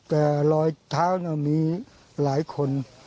แต่รอยเท้ามีหลายคน